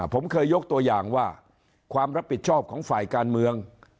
ผมเคยยกตัวอย่างว่าความรับผิดชอบของฝ่ายการเมือง